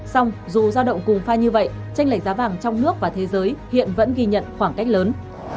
xong dù giao động cùng pha như vậy tranh lệch giá vàng trong nước và thế giới hiện vẫn ghi nhận khoảng cách lớn